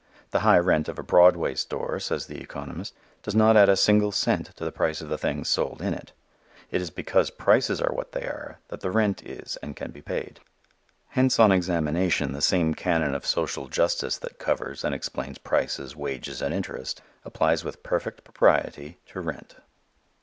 The high rent of a Broadway store, says the economist, does not add a single cent to the price of the things sold in it. It is because prices are what they are that the rent is and can be paid. Hence on examination the same canon of social justice that covers and explains prices, wages, and interest applies with perfect propriety to rent.